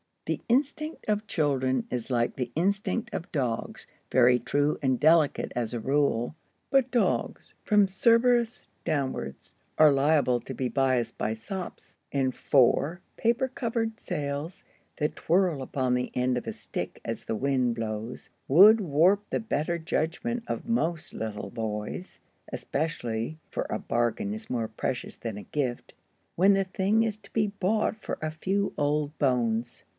The instinct of children is like the instinct of dogs, very true and delicate as a rule. But dogs, from Cerberus downwards, are liable to be biassed by sops. And four paper covered sails, that twirl upon the end of a stick as the wind blows, would warp the better judgment of most little boys, especially (for a bargain is more precious than a gift) when the thing is to be bought for a few old bones.